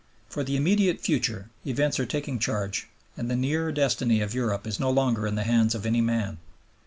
For the immediate future events are taking charge, and the near destiny of Europe is no longer in the hands of any man.